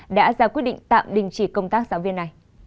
đã ra quyết định tạm đình chỉ công tác giáo viên này